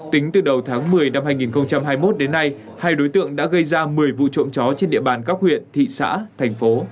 tính từ đầu tháng một mươi năm hai nghìn hai mươi một đến nay hai đối tượng đã gây ra một mươi vụ trộm chó trên địa bàn các huyện thị xã thành phố